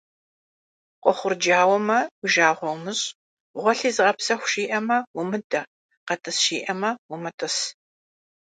Къохъурджауэмэ, уи жагъуэ умыщӏ, гъуэлъи зыгъэпсэху жиӏэмэ – умыдэ, къэтӏыс жиӏэмэ – умытӏыс.